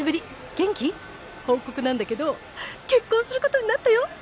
元気⁉報告なんだけど結婚することになったよ。